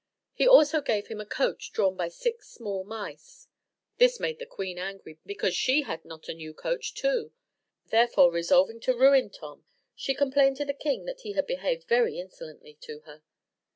He also gave him a coach drawn by six small mice, This made the queen angry, because she had not a new coach too: therefore, resolving to ruin Tom, she complained to the king that he had behaved very insolently to her.